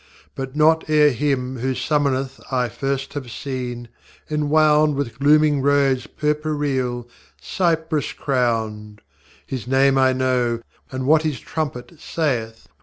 But not ere him who summoneth I first have seen, enwound With glooming robes purpureal, cypress crowned; His name I know, and what his trumpet saith.